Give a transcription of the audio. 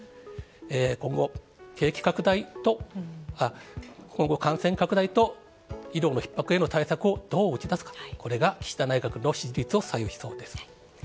今後、景気拡大と、、感染拡大と医療のひっ迫への対策をどう打ち出すか、これが岸田内閣の支持率を左右しそうです。